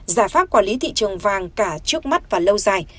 giải pháp quản lý thị trường vàng cả trước mắt và lâu dài